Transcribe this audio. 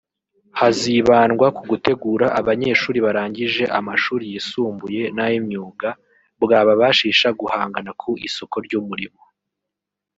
hazibandwa ku gutegura abanyeshuri barangije amashuri yisumbuye n’ayimyuga bwababashisha guhangana ku isoko ry’umurimo